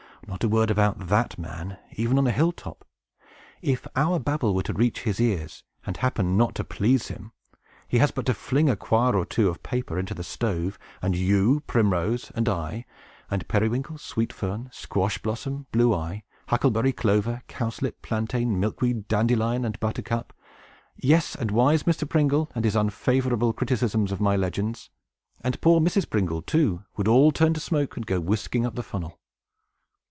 "Not a word about that man, even on a hill top! If our babble were to reach his ears, and happen not to please him, he has but to fling a quire or two of paper into the stove, and you, Primrose, and I, and Periwinkle, Sweet Fern, Squash Blossom, Blue Eye, Huckleberry, Clover, Cowslip, Plantain, Milkweed, Dandelion, and Buttercup, yes, and wise Mr. Pringle, with his unfavorable criticisms on my legends, and poor Mrs. Pringle, too, would all turn to smoke, and go whisking up the funnel!